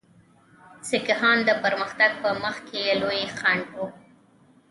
سیکهان د پرمختګ په مخ کې لوی خنډ وو.